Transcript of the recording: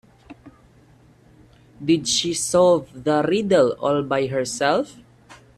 Did she solve the riddle all by herself?